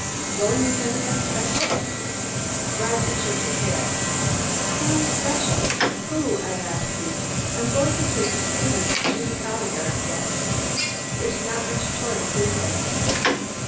"Going with anyone special?" Roger shook his head. "Who, special? Who, I ask you? I'm going to take skinny Judy Collier, I guess. There's not much choice, is there?"